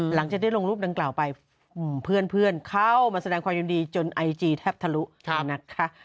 หลังจากได้ลงรูปดังกล่าวไปเพื่อนเข้ามาแสดงความยินดีจนไอจีแทบทะลุนะคะ